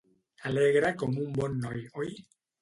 Alegre com un bon noi, oi?